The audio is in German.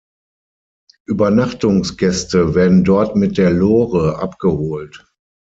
Übernachtungsgäste werden dort mit der Lore abgeholt.